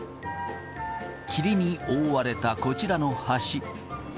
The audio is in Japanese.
霧に覆われたこちらの橋。